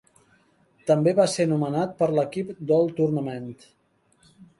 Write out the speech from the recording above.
També va ser nomenat per a l'equip d'All-Tournament.